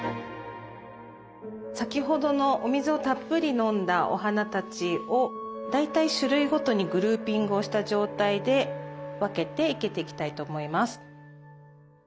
先ほどのお水をたっぷり飲んだお花たちを大体種類ごとにグルーピングをした状態で分けて生けていきたいと思います。